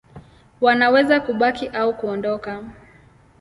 Wanaweza kubaki au kuondoka.